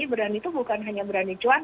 berani itu bukan hanya berani cuan